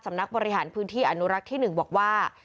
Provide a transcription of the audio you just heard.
นักบริหารพื้นที่อนุรักษ์ที่๑บอกว่า